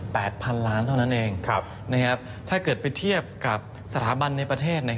ประมาณสัก๘๐๐๐ล้านเท่านั้นเองถ้าเกิดไปเทียบกับสถาบันในประเทศ